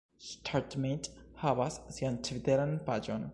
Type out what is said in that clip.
Startmate havas sian Tviteran paĝon